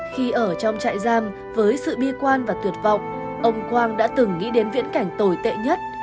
khi ở trong trại giam với sự bi quan và tuyệt vọng ông quang đã từng nghĩ đến viễn cảnh tồi tệ nhất